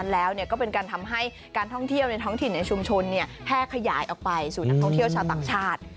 แล้วก็ทำให้การท่องเที่ยวในท้องถิ่นแฮคไยออกไปสู่นักท่องเที่ยวชาต่างชาติ